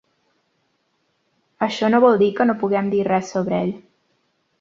Això no vol dir que no puguem dir res sobre ell.